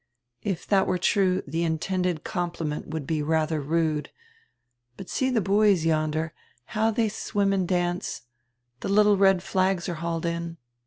"If that were true, the intended compliment would he rather rude — But see the huoys yonder, how they swim and dance. The little red flags are hauled in.